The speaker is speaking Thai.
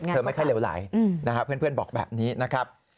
ไม่ค่อยเหลวไหลนะครับเพื่อนบอกแบบนี้นะครับ